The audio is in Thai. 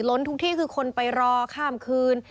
ล้นทุกที่คือคนไปรอข้ามคืน